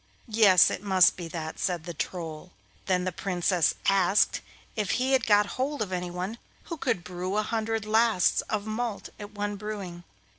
'Yes, it must be that,' said the Troll. Then the Princess asked if he had got hold of anyone who could brew a hundred lasts of malt at one brewing.